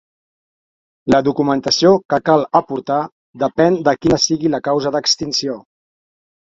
La documentació que cal aportar depèn de quina sigui la causa d'extinció.